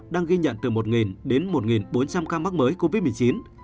đang ghi nhận từ một đến một bốn trăm linh ca mắc mới covid một mươi chín